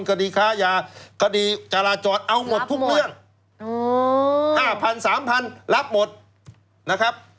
คดีค้ายาคดีจราจรเอาหมดทุกเรื่อง๕๐๐๓๐๐รับหมดนะครับ